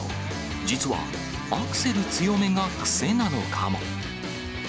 実はアクセル強めが癖なのかも。